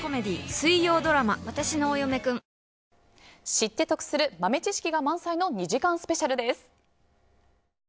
知って得する豆知識が満載の２時間スペシャルです。